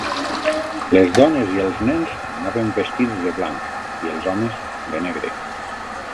Les dones i els nens anaven vestits de blanc; i els homes, de negre.